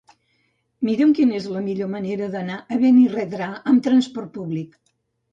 Mira'm quina és la millor manera d'anar a Benirredrà amb transport públic.